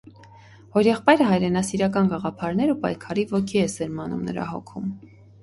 Հորեղբայրը հայրենասիրական գաղափարներ ու պայքարի ոգի է սերմանում նրա հոգում։